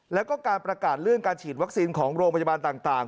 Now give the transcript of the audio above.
แล้วก็การประกาศเลื่อนการฉีดวัคซีนของโรงพยาบาลต่าง